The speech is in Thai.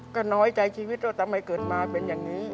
ก็น้อยใจชีวิตว่าทำไมเกิดมาเป็นอย่างนี้